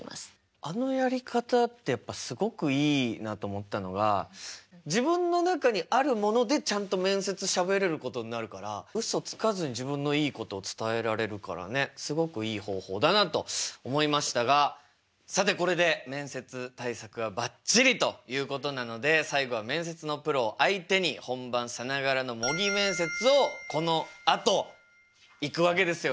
あのやり方ってやっぱすごくいいなと思ったのが自分の中にあるものでちゃんと面接しゃべれることになるからうそつかずに自分のいいことを伝えられるからねすごくいい方法だなと思いましたがさてこれで面接対策はばっちりということなので最後は面接のプロを相手に本番さながらの模擬面接をこのあといくわけですよね。